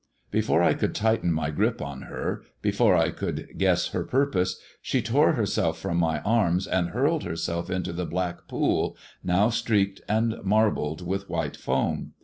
Before I could tighten my grip on her, before I could 3SS her purpose, she tore herself from my arms, and rled herself into the black pool, now streaked and xbled with white foam.